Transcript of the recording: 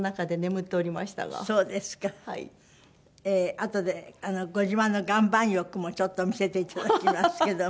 あとでご自慢の岩盤浴もちょっと見せていただきますけども。